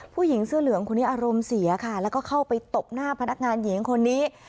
ผู้หญิงเสื้อเหลืองคนนี้อารมณ์เสียค่ะแล้วก็เข้าไปตบหน้าพนักงานหญิงคนนี้